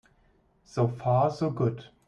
So far so good.